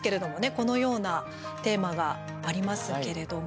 このようなテーマがありますけれども。